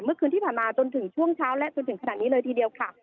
เมื่อคืนที่ผ่านมาจนถึงช่วงเช้าและจนถึงขนาดนี้เลยทีเดียวค่ะ